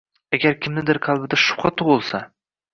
Agar kimningdir qalbida shubha tug'ilsa